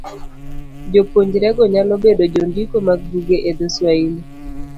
Jopuonjrego nyalo bedo jondiko mag buge e dho - Swahili.